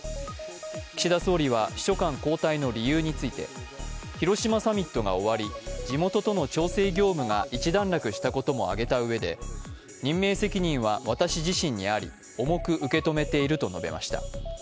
岸田総理は秘書官交代の理由について広島サミットが終わり地元との調整業務が一段落したことも挙げた上で任命責任は私自身にあり、重く受け止めていると述べました。